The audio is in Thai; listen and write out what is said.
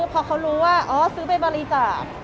พอเขารู้ว่าอ๋อซื้อไปบริจาค